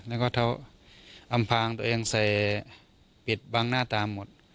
แล้วก็เขาอำพางตัวเองใส่ปิดบังหน้าตาหมด